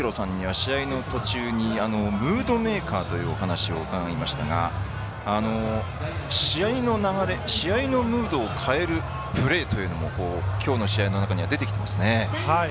試合の途中にムードメーカーというお話を伺いましたが試合の流れ、試合のムードを変えるプレーというのもきょうの試合の中ではできていますね。